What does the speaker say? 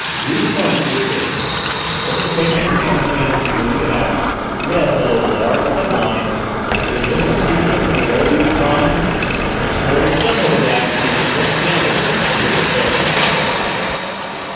Juve pointed to a chair, took the paper mechanically, and smoothing it out, read, below a large head line, "Is this a sequel to the Beaulieu Crime?" a story similar to that he had just gathered from M. de Presles' telegram.